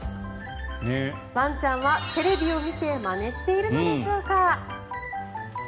ワンちゃんはテレビを見てまねしているのでしょうか。